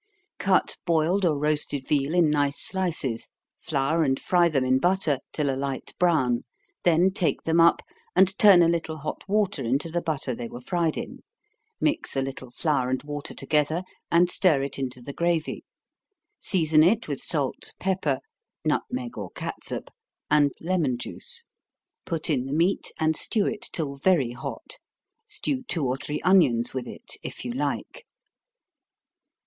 _ Cut boiled or roasted veal in nice slices flour and fry them in butter, till a light brown then take them up, and turn a little hot water into the butter they were fried in, mix a little flour and water together, and stir it into the gravy season it with salt, pepper, (nutmeg, or catsup,) and lemon juice put in the meat, and stew it till very hot stew two or three onions with it, if you like.